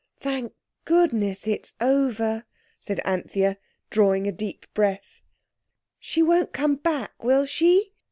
"Thank Goodness that's over," said Anthea, drawing a deep breath. "She won't come back, will she?"